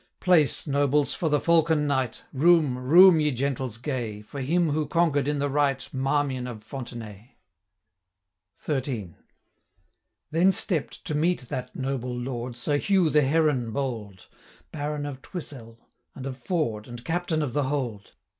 Place, nobles, for the Falcon Knight! Room, room, ye gentles gay, For him who conquer'd in the right, Marmion of Fontenaye!' 190 XIII. Then stepp'd, to meet that noble Lord, Sir Hugh the Heron bold, Baron of Twisell, and of Ford, And Captain of the Hold.